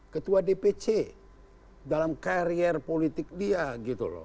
ketua dpc dalam karier politik dia gitu loh